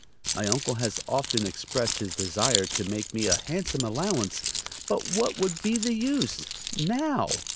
My uncle has often expressed his desire to make me a handsome allowance, but what would be the use ... now?"